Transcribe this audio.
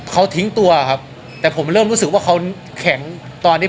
เขาทิ้งตัวครับแต่ผมเริ่มรู้สึกว่าเขาแข็งตอนนี้